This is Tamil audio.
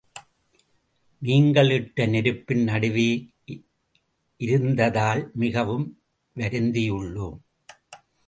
நீங்கள் இட்ட நெருப்பின் நடுவே இருந்ததால் மிகவும் வருந்தியுள்ளோம்.